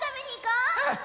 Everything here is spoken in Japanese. うん！